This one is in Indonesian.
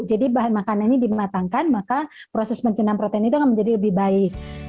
jadi bahan makanan ini dimatangkan maka proses pencenam protein itu akan menjadi lebih baik